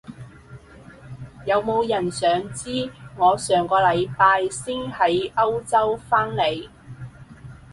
有冇人想知我上個禮拜先喺歐洲返嚟？